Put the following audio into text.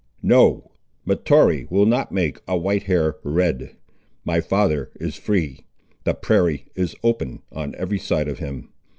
"No. Mahtoree will not make a white hair red. My father is free. The prairie is open on every side of him.